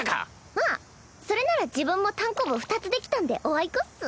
あっそれなら自分もたんこぶ２つ出来たんでおあいこっス。